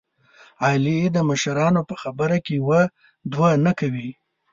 علي د مشرانو په خبره کې یوه دوه نه کوي.